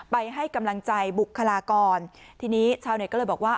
ให้กำลังใจบุคลากรทีนี้ชาวเน็ตก็เลยบอกว่า